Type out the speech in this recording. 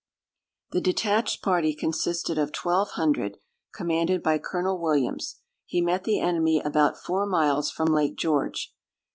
The detached party consisted of twelve hundred, commanded by Colonel Williams. He met the enemy about four miles from Lake George.